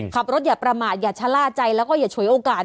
อย่าประมาทอย่าชะล่าใจแล้วก็อย่าฉวยโอกาส